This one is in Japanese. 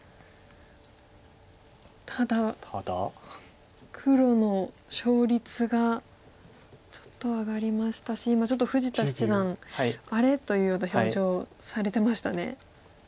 ただ黒の勝率がちょっと上がりましたし今富士田七段「あれ？」というような表情をされてましたね。